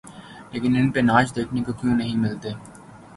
لیکن ان پہ ناچ دیکھنے کو کیوں نہیں ملتے؟